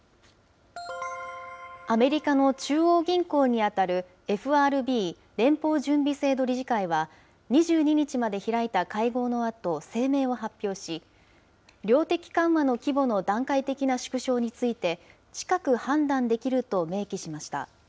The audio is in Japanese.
アメリカの中央銀行に当たる、ＦＲＢ・連邦準備制度理事会は、２２日まで開いた会合のあと声明を発表し、量的緩和の規模の段階的な縮小について、近く判断できると明記しました。